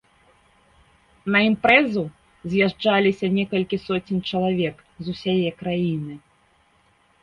На імпрэзу з'язджаліся некалькі соцень чалавек з усяе краіны.